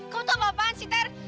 kau itu apa apaan sih ter